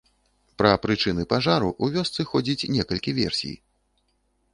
Пра прычыны пажару ў вёсцы ходзіць некалькі версій.